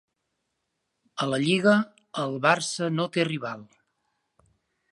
A la lliga, el Barça no té rival.